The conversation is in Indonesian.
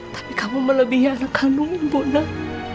tapi kamu melebihi anak kandung ibu nak